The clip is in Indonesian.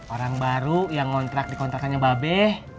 orang baru yang dikontrak kontrakannya mbak be